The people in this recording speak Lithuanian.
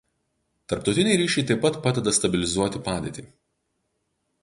Tarptautiniai ryšiai taip pat padeda stabilizuoti padėtį.